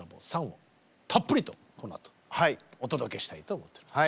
「ＳＵＮ」をたっぷりとこのあとお届けしたいと思っております。